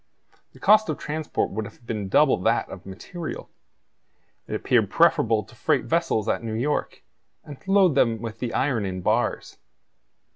The cost of transport would have been double that of material. It appeared preferable to freight vessels at New York, and to load them with the iron in bars.